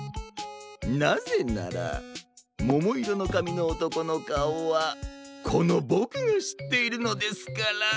なぜならももいろのかみのおとこのかおはこのボクがしっているのですから。